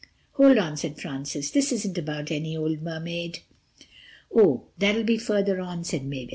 '" "Hold on," said Francis, "this isn't about any old Mermaid." "Oh, that'll be further on," said Mavis.